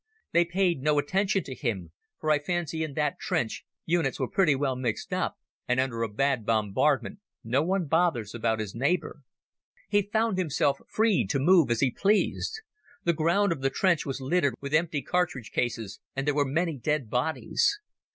They paid no attention to him, for I fancy in that trench units were pretty well mixed up, and under a bad bombardment no one bothers about his neighbour. He found himself free to move as he pleased. The ground of the trench was littered with empty cartridge cases, and there were many dead bodies.